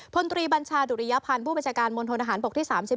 พนตรีบัญชาดุริยภัณฑ์ผู้บัญชาการมนตรฐานปกที่๓๗